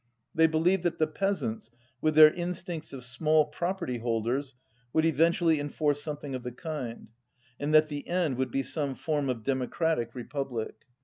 They be lieved that the peasants, with their instincts of small property holders, would eventually enforce something of the kind, and that the end would be some form of democratic Republic.